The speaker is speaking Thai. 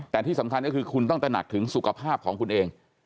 แต่ที่สำคัญก็คือคุณต้องตระหนักถึงสุขภาพของคุณเอง